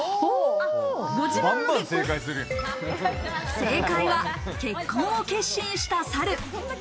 正解は結婚を決心した猿。